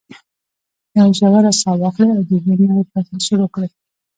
یوه ژوره ساه واخلئ او د ژوند نوی فصل شروع کړئ.